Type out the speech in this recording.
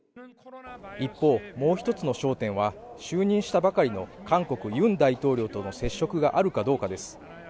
一方、もう一つの焦点は就任したばかりの韓国・ユン大統領との接触があるかどうかです。